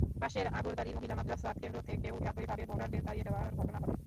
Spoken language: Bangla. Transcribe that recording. পাশের আগরদাঁড়ি মহিলা মাদ্রাসা কেন্দ্র থেকেও একইভাবে ভোটারদের তাড়িয়ে দেওয়ার ঘটনা ঘটে।